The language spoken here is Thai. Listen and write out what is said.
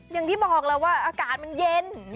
อย่างที่บอกแล้วว่าอากาศมันเย็น